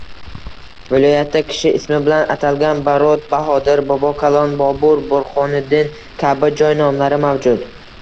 Viloyatda kishi ismi bilan atalgan Barot, Bahodir, Bobokalon, Bobur, Burxoniddin kabi joy nomlari mavjud.